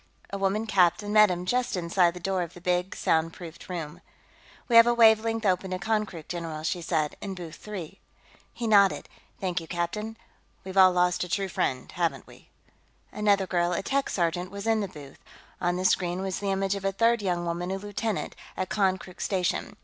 A woman captain met him just inside the door of the big soundproofed room. "We have a wavelength open to Konkrook, general," she said. "In booth three." He nodded. "Thank you, captain.... We've all lost a true friend, haven't we?" Another girl, a tech sergeant, was in the booth; on the screen was the image of a third young woman, a lieutenant, at Konkrook station.